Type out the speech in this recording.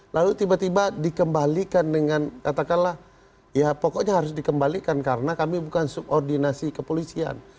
lalu tiba tiba dikembalikan dengan katakanlah ya pokoknya harus dikembalikan karena kami bukan subordinasi kepolisian